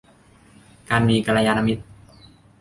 การมีกัลยาณมิตร